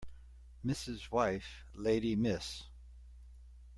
Mrs. wife lady Miss